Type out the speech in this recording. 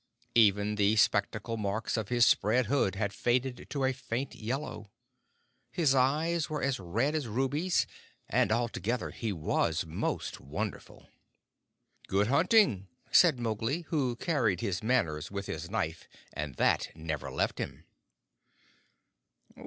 Even the spectacle marks of his spread hood had faded to faint yellow. His eyes were as red as rubies, and altogether he was most wonderful. "Good hunting!" said Mowgli, who carried his manners with his knife, and that never left him.